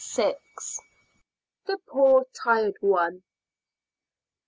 THE POOR TIRED ONE.